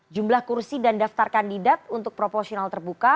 jumlah kursi dan daftar kandidat untuk proporsional terbuka